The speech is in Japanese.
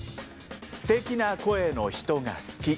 「すてきな声の人が好き」。